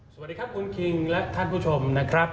สวัสดีครับคุณคิงและท่านผู้ชมนะครับ